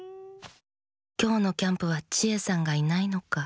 「きょうのキャンプはチエさんがいないのか。